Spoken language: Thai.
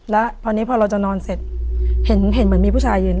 แล้วพอนี้พอเราจะนอนเสร็จเห็นเหมือนมีผู้ชายยืน